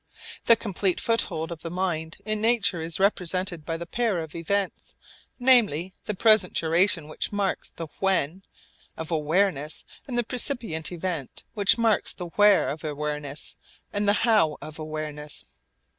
The complete foothold of the mind in nature is represented by the pair of events, namely, the present duration which marks the 'when' of awareness and the percipient event which marks the 'where' of awareness and the 'how' of awareness.